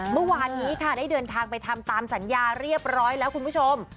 เมื่อวานนี้ค่ะได้เดินทางไปทำตามสัญญาเรียบร้อยแล้วคุณผู้ชม